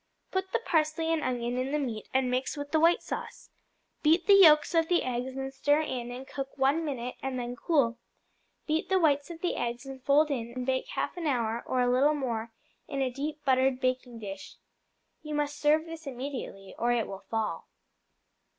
Put the parsley and onion in the meat, and mix with the white sauce. Beat the yolks of the eggs and stir in, and cook one minute, and then cool. Beat the whites of the eggs and fold in, and bake half an hour, or a little more, in a deep, buttered baking dish. You must serve this immediately, or it will fall.